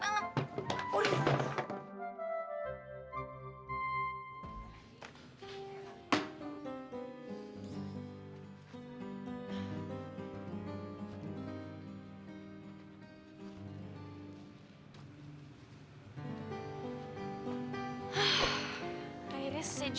aduh perut banget